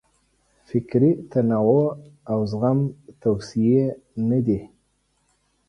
فکري تنوع او زغم توصیې نه دي.